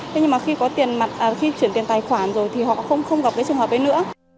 thế nhưng mà khi chuyển tiền tài khoản rồi thì họ không gặp cái trường hợp ấy nữa